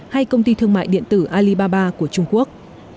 hay công ty thương mại điện tử alibaba của trung quốc